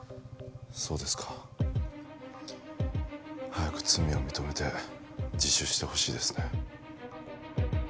そうですか早く罪を認めて自首してほしいですね